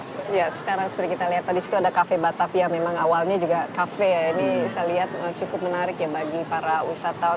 ya sekarang seperti kita lihat tadi situ ada kafe batavia memang awalnya juga kafe ya ini saya lihat cukup menarik ya bagi para wisatawan